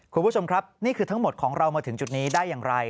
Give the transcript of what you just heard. คุณผู้ชมครับนี่คือทั้งหมดของเรามาถึงจุดนี้ได้อย่างไร